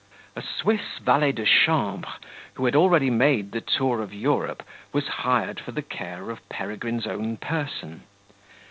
A Swiss valet de chambre, who had already made the tour of Europe, was hired for the care of Peregrine's own person.